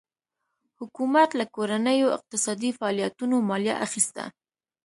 حکومت له کورنیو اقتصادي فعالیتونو مالیه اخیسته.